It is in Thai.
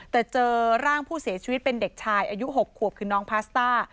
แต่เจอร่างผู้เสียชีวิตเป็นเด็กชายอายุ๖ขวบคือน้องพาสต้า